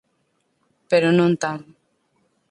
Pero non tal.